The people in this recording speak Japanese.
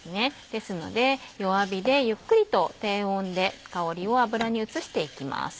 ですので弱火でゆっくりと低温で香りを油に移していきます。